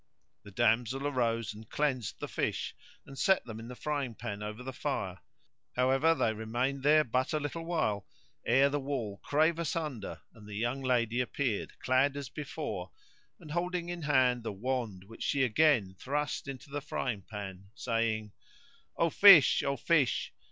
The damsel arose and cleansed the fish, and set them in the frying pan over the fire; however they remained there but a little while ere the wall clave asunder and the young lady appeared, clad as before and holding in hand the wand which she again thrust into the frying pan, saying, "O fish! O fish!